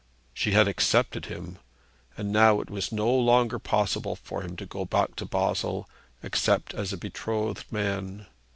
She had accepted him; and now it was no longer possible for him to go back to Basle except as a betrothed man.